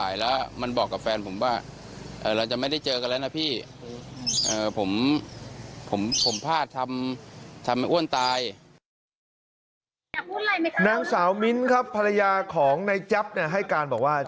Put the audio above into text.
อยากพูดอะไรไหมครับนางสาวมิ้นครับภรรยาของในแจ๊บเนี่ยให้การบอกว่า